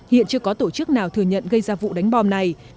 hiện chưa có tổ chức nào thừa nhận gây ra vụ đánh bom này